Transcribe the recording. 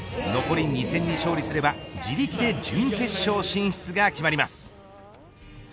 残り２戦に勝利すれば自力で準決勝進出が決まります。